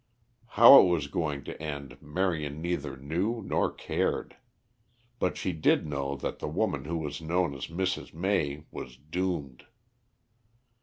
How it was going to end Marion neither knew nor cared. But she did know that the woman who was known as Mrs. May was doomed.